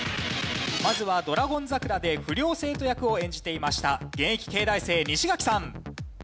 まずは『ドラゴン桜』で不良生徒役を演じていました現役慶大生西垣さん。